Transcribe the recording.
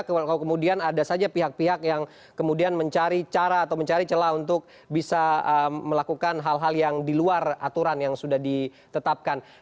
kalau kemudian ada saja pihak pihak yang kemudian mencari cara atau mencari celah untuk bisa melakukan hal hal yang di luar aturan yang sudah ditetapkan